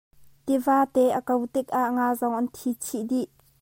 Tivate an kao tikah nga zong an thi chih dih.